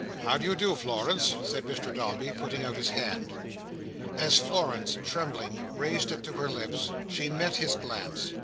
"How do you do, Florence?" said Mr Dombey, putting out his hand. As Florence, trembling, raised it to her lips, she met his glance.